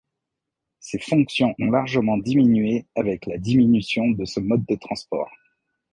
Ces fonctions ont largement diminué avec la diminution de ce mode de transport.